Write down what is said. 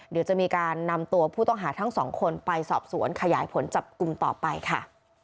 เดี๋ยวจะมีการนำตัวผู้ต้องหาทั้งสองคนไปสอบสวนขยายผลจับกลุ่มต่อไปค่ะ